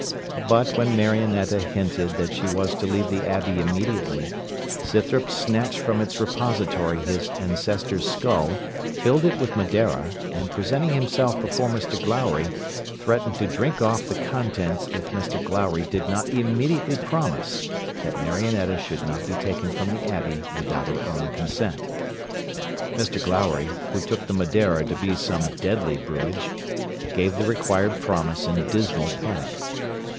But when Marionetta hinted that she was to leave the Abbey immediately, Scythrop snatched from its repository his ancestor's skull, filled it with Madeira, and presenting himself before Mr Glowry, threatened to drink off the contents if Mr Glowry did not immediately promise that Marionetta should not be taken from the Abbey without her own consent. Mr Glowry, who took the Madeira to be some deadly brewage, gave the required promise in dismal panic.